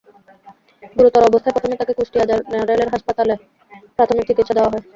গুরুতর অবস্থায় প্রথমে তাঁকে কুষ্টিয়া জেনারেল হাসপাতালে প্রাথমিক চিকিৎসা দেওয়া হয়।